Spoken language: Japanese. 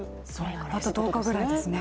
あと１０日ぐらいですね。